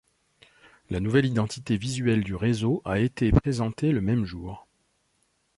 La nouvelle identité visuelle du réseau a été présentée le même jour.